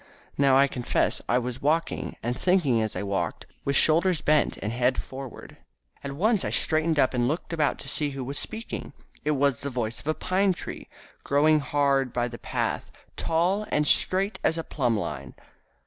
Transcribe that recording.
Now I confess I was walking, and thinking as I walked, with shoulders bent and head forward. At once I straightened up and looked about to see who was speaking. It was the voice of a pine tree, growing hard by the path, tall and straight as a plumb line.